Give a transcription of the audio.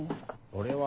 俺は。